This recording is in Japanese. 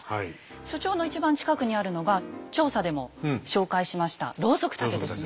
所長の一番近くにあるのが調査でも紹介しましたろうそく立てですね。